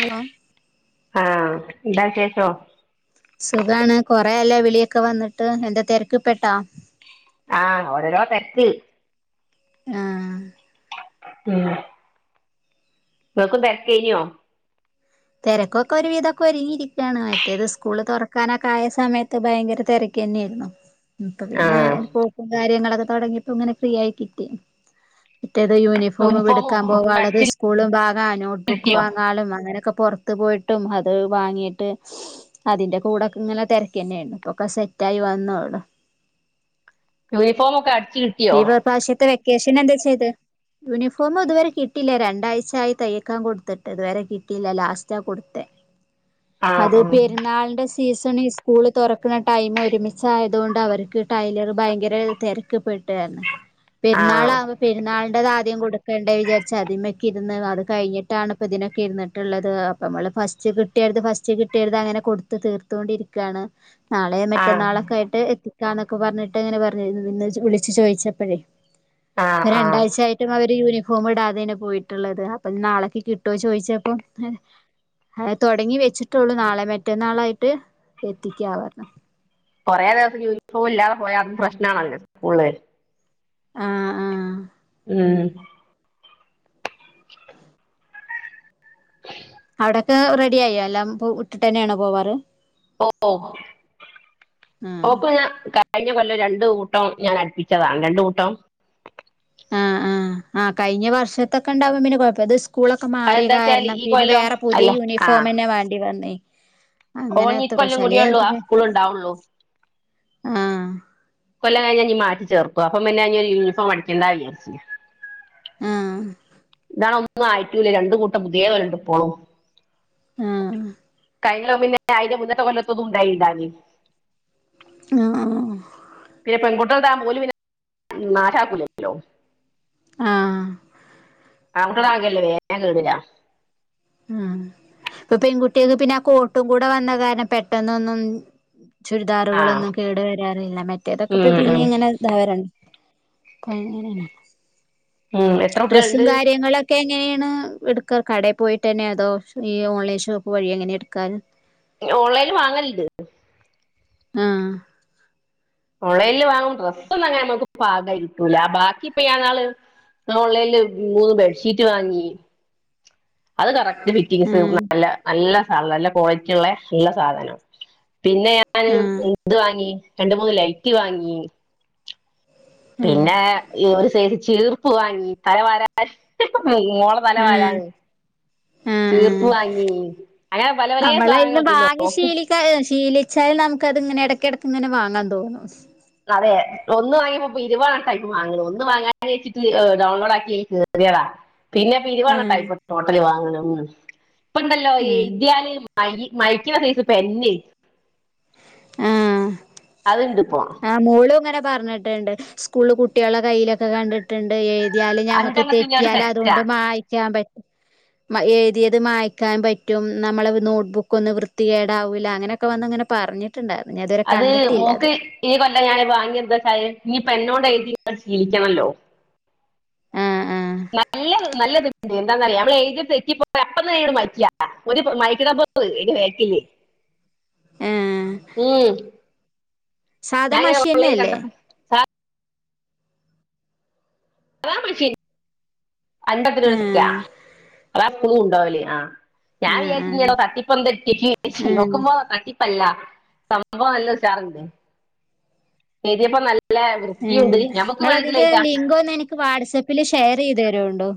Hello ആഹ എന്താശേഷോ സുഖാണ് കൊറായല്ലോ വിളിയൊക്കെ വന്നിട്ട് എന്താ തെരക്ക്പ്പെട്ടോ ആഹ് ഓരോരോ തെരക്ക് ആഹ ഉം [unintelligible] തെരക്കൊക്കെ ഒരുവിദോക്കെ ഒരുങ്ങിരിക്കാണ് മറ്റേത് സ്കൂള് തുറക്കാനക്കെ ആയ സമയത്ത് ഭയങ്കര തിരക്കന്നേര്ന്നു ഇപ്പ പിന്നെ ആഹ് പോക്കും കാര്യങ്ങളൊക്കെ തുടങ്ങിയപ്പോ ഇങ്ങനെ ഫ്രീ ആയി കിട്ടി യൂണിഫോമും ഒക്കെ അടിച്ച് കിട്ടിയോ [unintelligible] പൊറത്ത് പോയിട്ടും അത് വാങ്ങീട്ട് അതിന്റെ കൂടോക്കെ ഇങ്ങനെ തെരക്കന്നേര്ന്നു ഇപ്പൊക്കെ സെറ്റായിവന്നു യൂണിഫോമക്ക അട് ഇവ പാഷത്തെ വക്ക് കേഷിന് എന്തേ ചെയ്ത് യൂണിഫോം ഇതുവരെ കിട്ടില്ല രണ്ടാഴ്ച ആയി തയക്കാൻ കൊടുത്തിട്ട് ഇതുവരെ കിട്ടില്ല ലാസ്റ്റാ കൊടുത്തെ അത് ആഹ് പെരുന്നാൾന്റെ സീസൺ ഈ സ്കൂൾ തുറക്കുന്ന ടൈം ഒരുമിച്ചായതോണ്ട് അവർക്ക് ടൈലർ ഭയങ്കര തിരക്ക്പ്പെ [unintelligible] ആഹ് ആഹ് പെര്ന്നാളാവുമ്പോ പെരുന്നാളിന്റെതാദ്യം കൂടു ണ്ട എയ്തിഎചാതി അയ്മക്കിര്ന്ന് അത് കഴിഞ്ഞിട്ടാണ് ഇപ്പൊ ഇതിനൊക്കെ ഇരിന്നിട്ട്ള്ളത് അപ്പമ്മള് ഫസ്റ്റ് കിട്ടിയോര്ത് ഫസ്റ്റ് കിട്ടിയോര്ത് അങ്ങനെ കൊടുത്ത് തീർത്തൊണ്ടിരിക്കാണ് നാളെ ആഹ് മറ്റന്നാളൊക്കെ ആയിട്ട് എത്തിക്കാന്നൊക്കെ [unintelligible] ച്ച് ചോദിച്ചപ്പഴേ ആഹ് ആഹ് രണ്ടാഴ്ച ആായിട്ടും അവര് യൂണഫോ ഫോമ ഇടാതെന്നെ പോയിട്ടുള്ളത് അപ്പൊ നാളക്ക് കിട്ടുവോ ചോദിച്ചപ്പം തുൊടങ്ങി വെച്ചിട്ടുള്ളു നാളെ മറ്റേന്നാളായിട്ട് എത്തിക്കാവാന്ന് കുറേ ദിവസം യൂണഫോം ഇല്ലാതെ പോയാ അതും പ്രശ്നണല്ലേ സ്കൂള ആഹ ആഹ ഉം ഉ [unintelligible] ഇവിടൊക്കെ റെഡി ആയിോ എല്ലാം ഇ ഇട്ടിട്ട് തന്നെയാണ് പോവാറ് ഓ ആഹ് ഓക്ക ഞാ കൊല്ല രണ്ട കൂട്ടം ഞാൻ അടുപ്പിച്ചതാണ് രണ്ട കൂട്ടം ആ ആ ആ കഴിഞ്ഞ വർഷത്തൊക്കെ ഉണ്ടാവും പിന്നെ കുഴപ്പം സ്കൂളൊക്കെ മാറിയ അതെന്താച്ചാല് കാരണം ഈ പിന്നെ കൊല്ലം വേറെ പുതിയ അല്ല യൂണിഫോം തന്നെ വേണ്ടി വന്നേ അങ്ങനത്തെ ഓിക്കല്ലം പ്രശ്നം അല്ലേ കൂടിയേള്ളൂ ആ സ്കൂള ഉണ്ടാവള്ളൂ ആഹ് കൊല്ലം കഴിഞ്ഞഞ്ീ മാറ്റി ചേർക്കു അപ്പൊ പിന്നെ ഇ ഒരുരു യൂണഫോം അടിക്കേണ്ടാ വിചർച്ച ആഹ എന്താണ് ഒന്നും ആയിട്ടൂല്ല രണ്ട കൂട്ടം പുതിയേ പോലണ്ട് ഇപ്പോളും ആഹ പിന്നെ അയിന്റെ മുന്നത്തെ കൊല്ലത്തൊന്നും ഉണ്ടായിന്തി ആഹ് പെങ്കുട്ട അന്താ പോലും പിന്നെ മാാക്കൂലല്ലോ ആഹ ആങ്ങട്ടടാഗല്ലേ വേഞൻ കേടില്ല ഉം ഇപ്പൊ പെൺകുട്ടികക്ക് പിന്നെ ആ കോട്ടും കൂടെ വന്ന കാരണം പെട്ടന്നൊന്നും ആ ചുരിദാറുകളൊന്നും കേടു വരാറില്ല മറ്റേതൊക്കെ പോ ഉം പിന്നെ ഉം ഇങ്ങനെ ഇന്താരാണ് പണ എന്ന ഉം എത്ര ഡ്രെസ്സും കുട്ടികളുണ്ട് കാര്യങ്ങളൊക്കെ ഇങ്ങനെയാണ് എടുക്കാർ കടയിൽ പോയിട്ട് പന്നെ അതോ ഈ ഓൺലൈൻ ഷോപ്പ് വഴി എങ്ങനെ എടുക്കാറ് ഓൺലൈന് വാങ്ങലിണ്ട് ആഹ ഓൺലൈനിൽ വാങ്ങും ഡ്രസ്സ ഒന്നും അങ്ങനെ നമുക്ക് പാകം കട്ടൂല ബാക്കിപ്പ നാള് ഓൺലൈനിില് മൂന്ന് ബെഡ്ഷീറ്റ് വാങ്ങി അത് കറക് ഫറ്റിസ് ആഹ് നല്ല നല്ല നല്ല ക്വാളിറ്റി ഉള്ള ഉള്ള സാധനം പിന്നെ ഞാാന് ആഹ് ഇതു വാങ്ങി രണ്ട മൂന്ന് ലൈറ്റ് വാങ്ങി ആഹ് പിന്നെ ഒരു ചേർപ്പ് വാങ്ങി തലവാര ആ ആ ചീർപ്പ് വാങ്ങി അങ്ങനെ പല പല സാധനങ്ങൾ നമ്മളതിന്ന് പിന്നെ ഭാഗ്യ ഓക്ക് ശീലിക്ക ശീലിച്ചാലൽ നമുക്ക്ത്ങ്ങനെ ഇടക്കിട ഇങ്ങനെ വാങ്ങാൻ തോന്നും അതെ ഒന്ന് വാങ്ങിയപ്പം [unintelligible] ഇപ്പൊ ഇരുപെട്ട ആ വാങ്ങാച്ചിട്ട് ഡൗൺലോഡ് ആക്കി എനി കറിയടാ പിന്നെ പിരിവാണ്ടെ ആഹ് ടൈപ്പ് ടോട്ടൽ വാങ്ങണെ ഉ ഇപ്പണ്ടല്ലോ ഈ ഇ ആഹ് ദ്യാലയം മ മൈക്കച്ച [unintelligible] പ്പെന്നെ ആ അതിണ്ടിപ്പോ മോളും ഇങ്ങനെ പറഞ്ഞിട്ടുണ്ട് സ്കൂളു കുട്ടികളുടെ കയ്യിലൊക്കെ കണ്ടിട്ടുണ്ട് എതിയല് ഞമ്മക്ക് അഞ്ചെണ്ണത്തിന്റെ ഒരു തെറ്റിയാൽ സെറ്റാ അതുകൊണ്ട് വായിക്കാൻ പറ്റും എഴുതിതിയത് മായിക്കാൻ പറ്റും നമ്മൾ നോട്ട് ബുക്ക് ഒന്നും വൃത്തികേടാവൂല്ല അങ്ങനൊക്കെ വന്ന് അങ്ങനെ പറഞ്ഞി ണ്ടായത് [unintelligible] [unintelligible] അത് മോക്ക് ഈ കൊല്ലം ഞാന് വാങ്ങിയ [unintelligible] എന്തച്ചായ എന്നോട് എഴുതി ശീലിക്കണല്ലോ ആ ആ നല്ലതെ നല്ലത് എന്താന്ന ഞമ്മൾ എയുതി തെറ്റിപ്പോ അപ്പ തന്നട് മറ്റാ ഒരു [unintelligible] മയക്ക എ വക്കില്ലേ ആ ഉം സാധാ മഷി ചാങ്ങള്ളും തന്നെയല്ലേ കണ്ടപ്പ [unintelligible] ആ മഷീൻ അൻപത് ആ രൂപ കിട്ടിയാ ഊ ഉണ്ടാവൂലേ ആ ആ ഞാൻ ആ വിചാരിച്ചിടോ ആ തട്ടിപ്പ എന്തെ ആ നോക്കുമ്പോ തട്ടിപ്പല്ല സംഭവം നല്ല ഉഷാറുണ്ടെ എഴുതിയപ്പം നല്ല ആ വൃത്തിയുണ്ട് നമുക്ക് വേണമെങ്കിൽ നിങ്ങളതിന്റെ എഴുതാം ലിങ്കു ഒന്ന് എനിക്ക് വാട്സആപ്പിലെ ഷേർ ഷെയറ് ചെയ്ത് തരുണ്ടോ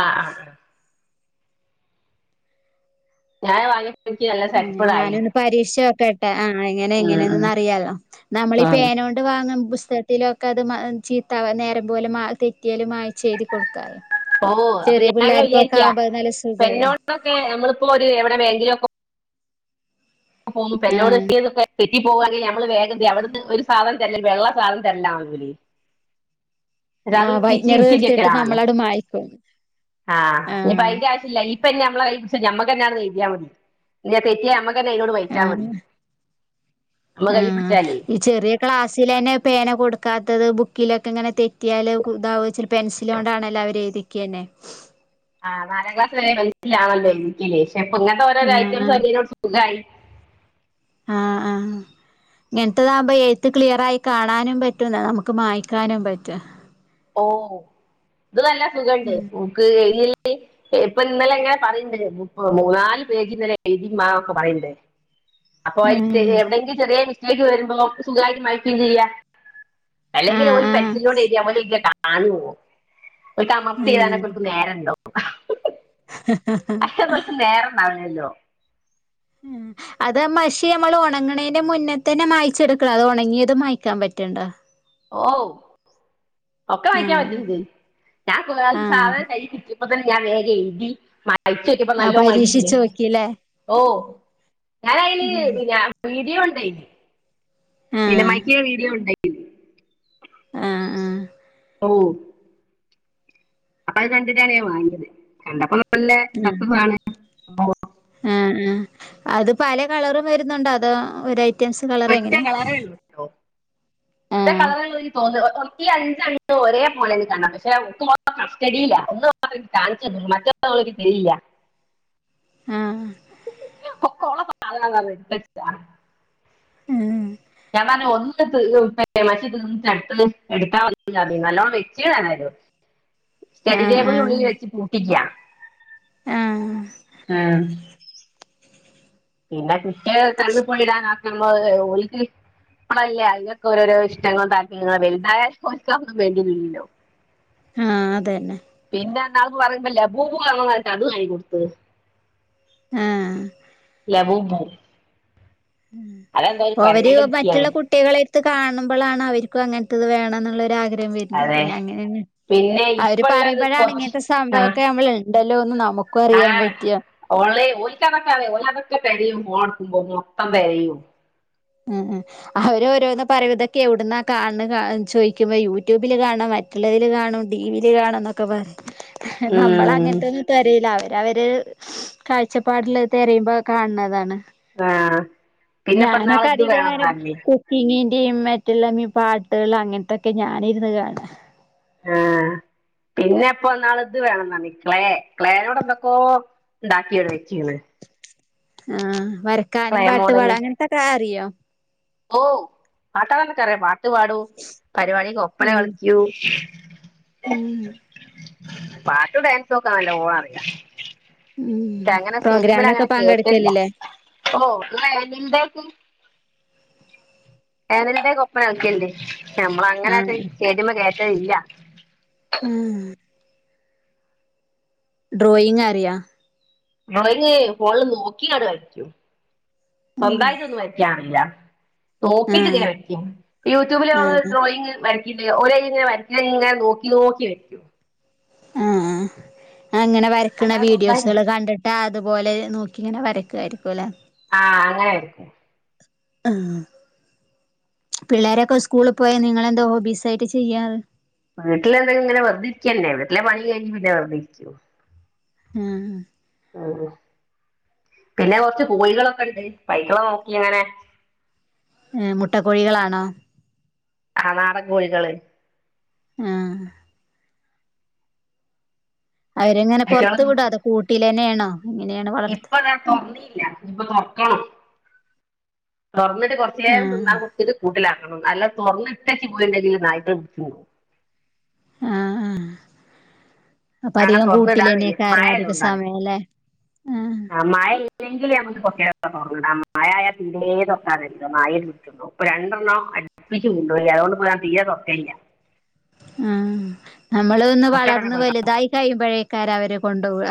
ആആ ചായ വാങ്ങി ഉ ഞാനൊന്ന് പരീക്ഷിച്ചു നോക്കട്ടെ പ ആ [unintelligible] ആ എങ്ങനെ ഉം ഉം എങ്ങനന്നൊന്ന റിയാലോ നമ്മളീഈ ഉം പേന കൊണ്ട് വാങ്ങു പുസ് അത് ചീത്ത നേരം പോലെ തെറ്റിയാലും ഓ അപ്പൊ ഞാൻ പിള്ളേർക്കൊക്കെ വിചാരിക്ക ആവുമ്പോ അത് നല്ല സുഖല്ലേ പേനിയോടൊക്കെ [unintelligible] നമ്മളിപ്പോ ഒരു എവിടെ വേങ്കിലൊക്കെ പോക്പൾ ആ എന്നോട് ചെയ്തൊക്കെറ്റി പോവാെ [unintelligible] മ്മള് വേഗത്തി അവിടു ഒരു സാധനം തരല്ല വെള്ള സാധനം തരല്ല അവല അ അത് ആ ഉറ്റിച്ച് വൈറ്റ്നർ ഉത്തി എടുത്തിട്ട് ചെക്കലണല്ലോ നമ്മളട് മായ്ക്കും ആ ആഇനിപ്പ അയിന്റെ ആവശ്യം ഇില്ല ഇപ്പ നമ്മളമ്മക്ക് നെയ്തിയാൽ മതി ങ്ങനെ തെറ്റിയാ നമ്മക്കെ [unintelligible] ആ വഴിച്ചാൽ മതി നമ്മള് ആ കൈ പിടിച്ചാലേ ഈ ചെറിയ ക്ലാസ്സില തന്നെ പേന കൊടു ക്കാത്തത് ബുക്കിലൊക്കെ ഇങ്ങനെ തെറ്റിയാല് ഇതാവച്ച പെൻസൽ കൊണ്ടാണല്ലോ അവര് എഴുതിക്ക തന്നെ [inaudible] ആ നാലാം ക്ലാസ് വരെ മനസ്സിലാവല്ലോ ബുക്കില് അപ്പം ഇങ്ങനത്തെ ആ ഓരോരോ ആ ഐറ്റംസ് [unintelligible] സുഖായി ആ ഇങ്ങനത്തതാകുമ്പോ എഴുത്ത് ക്ലിയർ ആയി കാണാനും പറ്റുംന്ന നമുക്ക് മായക്കാനും പറ്റും ഓ ഇത് നല്ല സുഖണ്ട് മൂക്ക് ല് ഇപ്പൊ ഇന്നലെങ്ങനെ പറയ്ണ്ട് മൂന്നാല് പേജ് ഇന്നലെ എയ്തിമ്മാന്നൊക്കെ പറ്യ്ണ്ട് അപ്പൊ [unintelligible] ആഹ് എവിടെയെങ്കും ചെറിയ [unintelligible] വരുമ്പോ [unintelligible] സുഖായിട്ട മഴിക്കയും ചെയ്യ അല്ലെങ്കിലും ആഹ് ഓല് ആഹ് പെൻസിലോണ്ട് എഴുതിയ ഓൽ വി [unintelligible] ഓൽക്ക് അമർത്തി ആഹ് എഴുതാനൊക്കെ ഓൽക്ക്‌ നേരണ്ടോ ഓ [inaudible] അയ്നൊന്നും ഓൽക്ക് നേരണ്ടാവ് ഹലോ ഉം അത് മഷി നമ്മൾ ഒണങ്ങണേന്റെ മുന്നേ തന്നെ മായച്ചെടുക്കണ അത് ഒണങ്ങിയത് മായ്ക്കാൻ പറ്റ്ണ്ട ഓ ഒക്കെ മായ്ക്കാൻ ആഹ് പറ്റ്ണ്ട് ഞാൻ കൊ ഈ ആഹ് സാധനം കൈ കിട്ടിയ അപ്പതന്നെ ഞാൻ വേഗം എയ്തി മ മയ്ച്ചൊക്കിയപ്പോ ആഹ് നല്ലോം മായീണ്ട് പരീക്ഷിച്ച് നോക്കില്ലേ ഓ ഞൻ അയ്ല് ഞാ വീഡിയോൺ [unintelligible] ആഹ് പിന്നെ ആഹ് മയ്‌ക്കണ വീഡിയോ ഉണ്ടായി ആ ആ ഉ അപ്പൊ അത് കണ്ട്ട്ടാണ് ഞാൻ വാങ്ങിയത് കണ്ടപ്പം ല്ലെ ഉം സക്സസാണ് ആഹ് ആഹ് അത് പല കളറും വരുന്നുണ്ടോ അതോ ഒരയ് ഒറ്റ കളറേള്ളു ഒറ്റ ആഹ് കളറേള്ളു ൻക്ക് തോന്ന് ഈ അഞ്ജണ്ണം ഒരേ പോലെ [unintelligible] പക്ഷെ ഒക്കെ കസ്റ്റഡിയില ഒന്ന് മാത്രം ക്ക് കാണിച്ചന്ന് മറ്റൊന്നും അവളെനിക്ക് തരില്ല ആഹ് ഒക്കെ ഓളെ സാധനാന്ന്റ്ഞ്ഞ്ട്ത്തെക്കാ ആഹ് ഞാൻ പറഞ്ഞ് ഒന്ന് തീർ മറ്റേ തീർന്നിട്ട് അടുത്തെ എടുത്താ മതീന്ന് പറഞ്ഞീനു നല്ലോം വെച്ചീണേതായാലും സ്റ്റഡി ആഹ് ആഹ് ടേബിൾനുള്ളിൽ വെച്ചി പു ട്ടിക്ക ആഹ് ആ [unintelligible] ആ അതന്നെ ന്നാൾപ്പൊ പറീമ്പം ലബൂബു വാണം പറഞ്ഞ്ട്ട് അത് വാങ്ങി കൊട്ത്ത് ആഹ് ലബൂബു അതെന്തോ ഒരു അവര് കൊരങ്ങന്റെ കുട്ടിയാണ് മറ്റുള്ള കുട്ടികളെ ത് കാണുമ്പളാണ് അവർക്കും അങ്ങനത്തെത് വേണംന്ന്ള്ളാെര് ആഗ്ര വര്ണത് അതെ അങ്ങനേണ് പിന്നെ അവര് ഇപ്പള്ളത് പറയുമ്പഴാണ് കൊറച്ച് ഇങ്ങൻത്തെ ആഹ് സംഭവക്കെ ഞമ്മള് ഇല്ലല്ലോ ഒ. നമുക്കും, അറിയാൻ, പറ്റിയ. ഒക്ക അതൊക്കെ തെരയും, ഫോൺ, എടുക്കുമ്പോ, മൊത്തം തിരയും. ഉ അവര് ഓരോന്ന്, പറയതൊക്കെ, എവിടുന്ന കാണുന്ന, ചോദിക്കുമ്പോ യൂട്യൂബില്, കാണാം മറ്റുള്ളതിൽ കാണും, ടിവിയിൽ കാണാം, എന്നൊക്കെ പറയും. നമ്മള ഉം അങ്ങനത്തെയും തെരയില്ല അവര്. അവര്, കാഴ്ച്ചപ്പാടിൽ തിരയുമ്പോ കാണുന്നതാണ്. ആഹ് പിന്നെ പ്പോ ഇന്നാള് ഇത് വേണംന്ന് വിചാരം പറഞ്ഞ് കുക്കി. ടീവിലും, മറ്റുള്ള പാട്ടുകൾ, അങ്ങനത്തൊക്കെ ഞാനിരുന്ന് കാണാ. ആഹ് പിന്നെപ്പോ നാള് ഇത് വേണന്നർ ഞ്ഞ് ക്ലേ ക്ലേനോട് എന്തൊക്കോ ഉണ്ടാക്കിോടെ വെച്ചീണ് ആഹ് വരക്കാനും ക്ലേ പാട്ടു മോഡല് പാടാനും അങ്ങനത്തെയൊക്കെ അറിയോ. ഓ ആാട്ടാളന്ന് കേ മാട്ട [unintelligible] [inaudible] പാട്ട് പാടും പരിപാടിക്ക് ഒപ്പന ഉം കളിക്കും. ഉം. പാട്ട്ഡാൻസ് ഒക്കെ നല്ലോണം, അറിയാം. ഉം അങ്ങനെ, സ്റ്റേജ് മേലെ, പ്രോഗ്രാമിനൊക്കെ അങ്ങനെ, കേറ്ററില്ല, പങ്കെടുക്കലില്ലേ ഓ ഇന്ത. ഏതെന്റെ കൊപ്പന ആക്കിയല്ലേ നമ്മള അങ്ങനട്ട് സ്റ്റേജ്മ്മ കേ ശ ഇല്ല ഉം. ഡ്രോയിങ് അറിയാം ഡ്രോയിങ് ഫോണ്ല് നോക്കിയാണ്ട് വര്ക്കൂ സ്വന്തമായിട്ടൊന്നു വെരക്ക ഇല്ല നോക്കിട്ട് ങ്ങനെ ആഹ് വരക്കു യൂട്യൂബില് ഓള് ആഹ് ഡ്രോയിങ്ങ് വര ഒരെങ്ങനെ വരക്കാ ഇങ്ങനെ നോക്കി നോക്കി വെക്കും. ആ ആ അങ്ങനെ വരയ്ക്ക്ണ അല്ലാതെ സ്വന്തമായിട്ട് വീഡിയോസുകൾ കണ്ടിട്ട് ആ തുപോലെ നോക്കിങ്ങനെ വരയ്ക്വാരിക്കുവല്ലേ? ആ അങ്ങനാരിക്കും. ആ പിള്ളേരൊക്കെ സ്കൂളി പോയ നിങ്ങളെന്താ ഹോബീസായിട്ട് ചെയ്യാറ്? വീട്ടിലെന്തെങ്ങനെ വെർതെയിരിക്കല്ലേ വീട്ടിലെ പണി കഴിഞ്ഞ് പിന്നെ വെർതെയിരിക്കു. ആ പിന്നെ കൊറച്ച് കോയികളൊക്കെണ്ട് പൈക്കളെ നോക്കിങ്ങനെ. ഏ മുട്ട കോഴികളാണോ? ആ നാടൻ കോഴികള്. ആ അവരെങ്ങനെ അയ്റ്റളെ നോക്കി ലന്നെയാണോ? ഇപ്പൊ ഞാൻ തൊറന്നീല്ല ഇപ്പൊ തൊറക്കണം. തൊറന്നിട്ട് കൊറച്ചു നേരം ആഹ് തിന്നാൻ കൊടുത്തിട്ട് കൂട്ടിലാക്കും. അല്ല തൊറന്നിട്ടേച്ചു പോയിണ്ടെങ്കിൽ നായ്ക്കള് ആ ആ അങ്ങനെ തുറന്നിടാന് വയ്യ മഴയാതുകൊണ്ടാണ് സമയല്ലേ ആഹ് ആ മഴ ഇല്ലെങ്കിലേ നമ്മക്ക് തൊറ [unintelligible] തു മയയായ തീരേ നോക്കാറില്ല മായൽ വിട്ടു [unintelligible] ഇപ്പൊ രണ്ടെണ്ണം അടുപ്പിച്ച് കൊണ്ടുപോയി അതുകൊണ്ടിപ്പ ഞാൻ തീരെ നൊക്കയില്ല ആ നമ്മള്ന്ന് മുട്ടടനെ വളർന്ന് പോയി വലുതായി കഴിയുമ്പഴേ ക്കാരവരെ കൊണ്ടുപോവുക.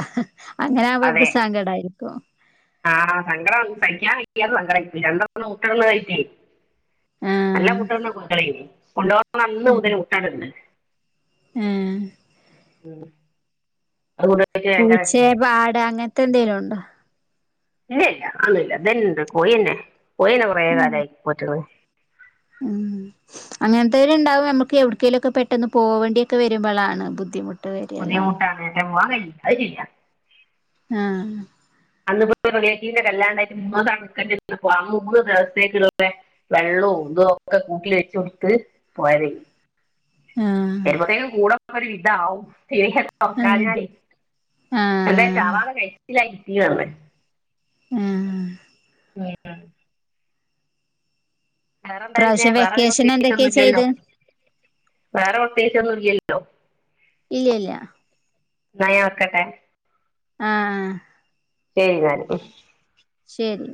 അങ്ങനെ അതെ ആമ്പിവക്ക് സങ്കടായിരിക്കും. ആ സങ്കടം സയിക്കാൻ കയ്യാത്ത സങ്കടായിപ്പോയി രണ്ട [unintelligible] നല്ല ആഹ് മുട്ടയിടന്ന കോയിക്കളാരുന്നു കൊണ്ടന്ന അന്ന് മുതല് മുട്ടയിടുണ്ട്. ഏ ഉം അതുകൊണ്ട് പൂച്ചേ പാട് അങ്ങന ത്തെന്തേലുവൊണ്ട? ഇല്ല ഇല്ല ഒന്നുല്ല ഇതന്ന കോയിഅന്നേ. കോയീനെ കൊറേ ഉം കാലായി പോറ്റുന്നു. ഉം അങ്ങനത്തെവരുണ്ടാവും നമ്മക്ക് എവിടക്കേലും ഒക്കെ പെട്ടന്ന് പോവേണ്ടി ഒക്കെ വരുമ്പളാണ് ബുദ്ധിമുട്ട്. വരല്ലേ ബുദ്ധിമുട്ടാണ്‌ എന്റെ മോൻകഴി. അതു ചെയ്യാം ആ അന്ന് [unintelligible] കല്യാണ്ടായിട്ട് [unintelligible] ആ മൂന്ന് ദീസത്തെക്കുള്ള വെള്ളോം ഇതു ഒക്കെ കൂട്ടില് വെച്ചു കൊടുത്ത് പോയത് ആഹ് എങ്ങോട്ടേലും കൂടെ ഒരിതാവും. ആഹ് [unintelligible] എന്തേ ആഹ് ചാവാതെ കഴി ഇല്ല [inaudible] [inaudible] ഉം എന്താ പിന്നെ പ്രാവശ്യം വേറെ ഒരു വെക്കേഷൻ എന്തൊക്കെയാ പ്രത്യേകിച്ചൊന്നും ഇല്ലല്ലോ ചെയ്ത് വേറെ പ്രത്യേകിച്ച ഒന്നും ഇരിക്കല്ലോ ഇല്ല ഇല്ല ന വക്കട്ടെ ആ ആ [unintelligible] ശരി